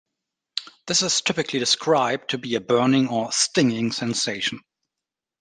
This is typically described to be a burning or stinging sensation.